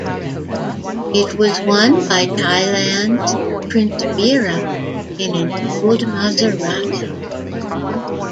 It was won by Thailand's Prince Bira in an old Maserati.